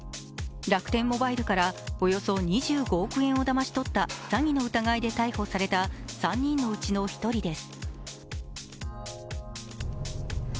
楽天モバイルからおよそ２５億円をだまし取った詐欺の疑いで逮捕された３人のうちの１人です。